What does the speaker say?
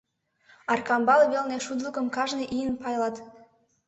Аркамбал велне шудылыкым кажне ийын пайлат.